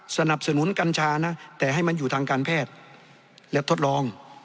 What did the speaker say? สนับสนุนกัญชานะแต่ให้มันอยู่ทางการแพทย์และทดลอง